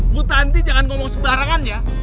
bu tanti jangan ngomong sebarangan ya